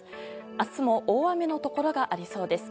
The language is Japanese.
明日も大雨のところがありそうです。